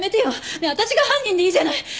ねえ私が犯人でいいじゃない！